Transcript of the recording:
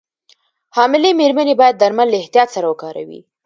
حاملې مېرمنې باید درمل له احتیاط سره وکاروي.